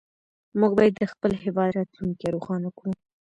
موږ باید د خپل هېواد راتلونکې روښانه کړو.